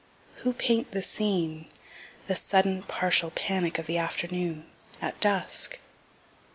Who paint the scene, the sudden partial panic of the afternoon, at dusk?